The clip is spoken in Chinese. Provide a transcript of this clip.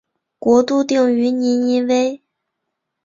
国都定于尼尼微。